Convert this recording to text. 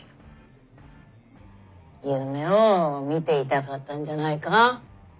夢をみていたかったんじゃないか。